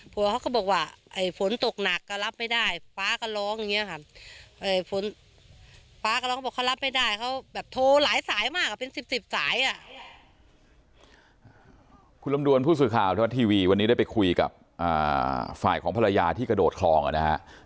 ผู้หลังเขาก็บอกว่าฝนตกหนักก็รับไม่ได้ฟ้าก็ร้องอย่างนี้